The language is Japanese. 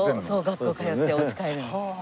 学校通ってお家帰るの。